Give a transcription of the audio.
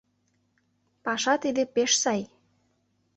— Паша тиде пеш сай.